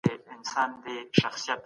تېره اونۍ مي یوه نوې څوکۍ جوړه کړه.